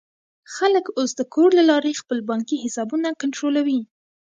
خلک اوس د کور له لارې خپل بانکي حسابونه کنټرولوي.